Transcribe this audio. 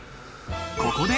ここで『